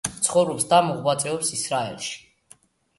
ცხოვრობს და მოღვაწეობს ისრაელში.